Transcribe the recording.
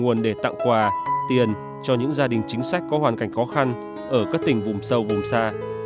nguồn để tặng quà tiền cho những gia đình chính sách có hoàn cảnh khó khăn ở các tỉnh vùng sâu vùng xa